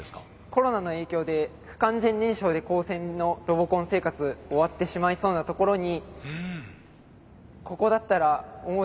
コロナの影響で不完全燃焼で高専のロボコン生活終わってしまいそうなところにここだったら思う